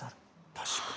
確かに。